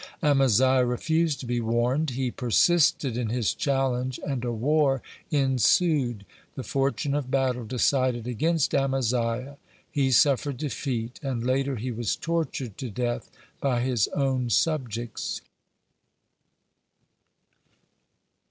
(18) Amaziah refused to be warned. He persisted in his challenge, and a war ensued. The fortune of battle decided against Amaziah. He suffered defeat, and later he was tortured to death by his own subjects.